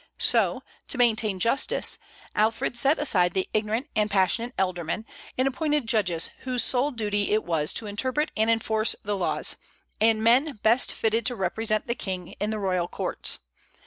So, to maintain justice, Alfred set aside the ignorant and passionate ealdormen, and appointed judges whose sole duty it was to interpret and enforce the laws, and men best fitted to represent the king in the royal courts.